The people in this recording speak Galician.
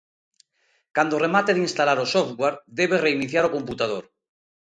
Cando remate de instalar o software, debe reiniciar o computador